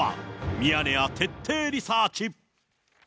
ミヤネ屋徹底リサーチ。